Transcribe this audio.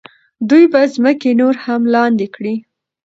دوی به ځمکې نورې هم لاندې کړي.